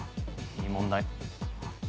いい問題。